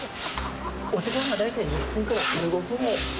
お時間が大体１０分から１５分を目安に。